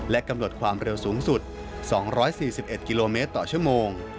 กำหนดความเร็วสูงสุด๒๔๑กิโลเมตรต่อชั่วโมง